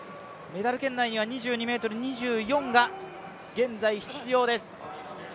メダル圏内には２２ｍ２４が現在必要です。